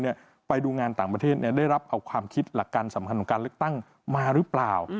ไปดูงานต่างประเทศเนี่ยได้รับเอาความคิดหลักการสำคัญของการเลือกตั้งมาหรือเปล่า